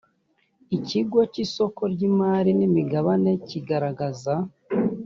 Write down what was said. ikigo cy isoko ry imari n imigabane kigaragaza